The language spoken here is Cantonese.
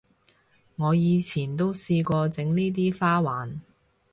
我以前都試過整呢啲花環